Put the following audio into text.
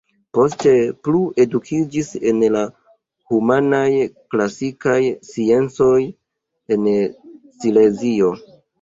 Poste plu edukiĝis en la humanaj-klasikaj sciencoj en Silezio.